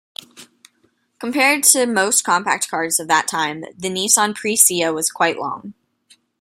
Compared to most compact cars of that time, the Nissan Presea was quite long.